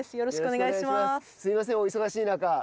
すいません、お忙しい中。